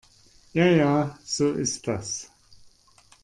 Ja ja, so ist das.